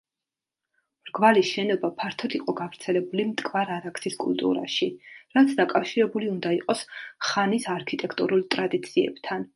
მრგვალი შენობა ფართოდ იყო გავრცელებული მტკვარ-არაქსის კულტურაში, რაც დაკავშირებული უნდა იყოს ხანის არქიტექტურულ ტრადიციებთან.